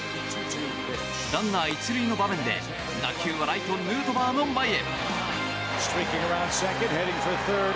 ランナー１塁の場面で、打球はライト、ヌートバーの前へ。